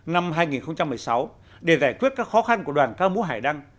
năm hai nghìn một mươi sáu để giải quyết các khó khăn của đoàn ca mũ hải đăng